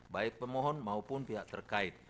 baik pemohon maupun pihak terkait